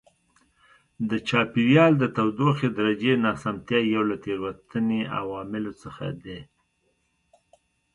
د چاپېریال د تودوخې درجې ناسمتیا یو له تېروتنې عواملو څخه دی.